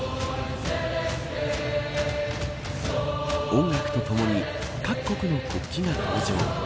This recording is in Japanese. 音楽とともに各国の国旗が登場。